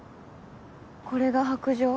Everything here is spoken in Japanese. これが白杖？